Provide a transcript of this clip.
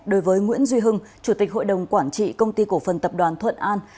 đối với nguyễn duy hưng chủ tịch hội đồng quản trị công ty cổ phần tập đoàn thuận an